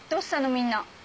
みんな。